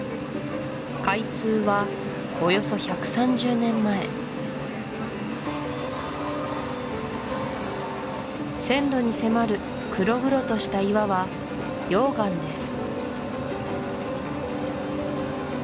開通はおよそ１３０年前線路に迫る黒々とした岩は溶岩です